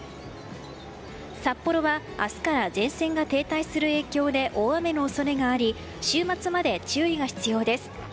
札幌は明日から前線が停滞する影響で大雨の恐れがあり週末まで注意が必要です。